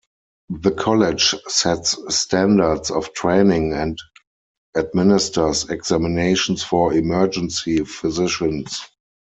The College sets standards of training and administers examinations for emergency physicians.